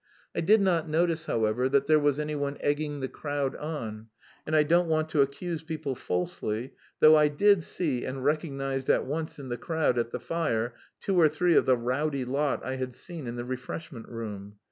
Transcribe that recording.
I did not notice, however, that there was anyone egging the crowd on and I don't want to accuse people falsely, though I did see and recognised at once in the crowd at the fire two or three of the rowdy lot I had seen in the refreshment room.